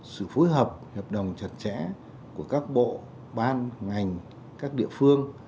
sự phối hợp hiệp đồng chặt chẽ của các bộ ban ngành các địa phương